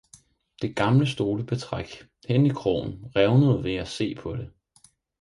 Det gamle stolebetræk henne i krogen revnede ved at se på det!